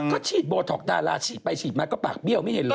ก็ฉีดโบท็อกดาราฉีดไปฉีดมาก็ปากเบี้ยวไม่เห็นเลย